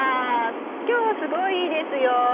今日はすごいいいですよ。